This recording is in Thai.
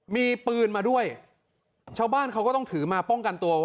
มีปืนมาด้วยชาวบ้านเขาก็ต้องถือมาป้องกันตัว